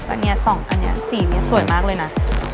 อันนี้๒อันนี้สีนี้สวยมากเลยนะ